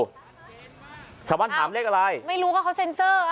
ชาวบ้านถามเลขอะไรไม่รู้ว่าเขาเซ็นเซอร์